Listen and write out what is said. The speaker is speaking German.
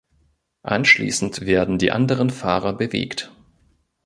Anschließend werden die anderen Fahrer bewegt.